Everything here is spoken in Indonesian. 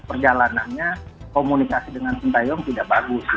perjalanannya komunikasi dengan sinta young tidak bagus